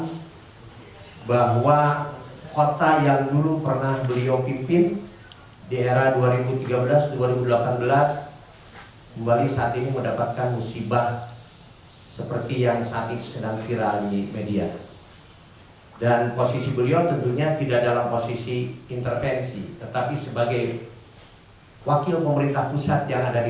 sebagai pembina penyelenggaraan pemerintah kabupaten dan kota yang ada di kota jawa barat